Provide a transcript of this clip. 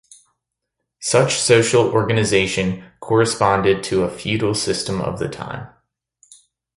Such social organization corresponded to a feudal system of the time.